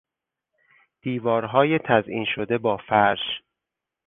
دیوارهای تزئین شده با فرش